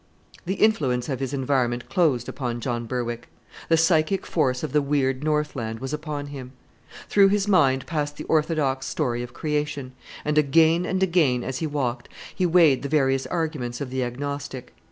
The influence of his environment closed upon John Berwick. The psychic force of the weird Northland was upon him. Through his mind passed the orthodox story of creation; and, again and again, as he walked, he weighed the various arguments of the agnostic.